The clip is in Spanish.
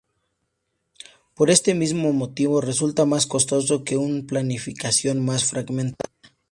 Por este mismo motivo resulta más costoso que una planificación más fragmentada.